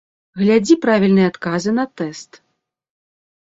Глядзі правільная адказы на тэст!